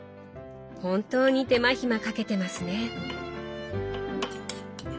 本当に手間暇かけてますね。